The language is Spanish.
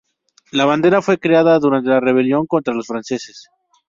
La bandera fue creada durante la rebelión contra los franceses.